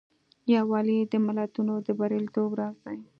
یووالی د ملتونو د بریالیتوب راز دی.